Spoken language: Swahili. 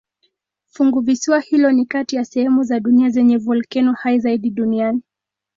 Funguvisiwa hilo ni kati ya sehemu za dunia zenye volkeno hai zaidi duniani.